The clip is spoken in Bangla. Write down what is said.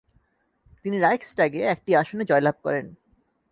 তিনি রাইখস্ট্যাগে একটি আসনে জয়লাভ করেন।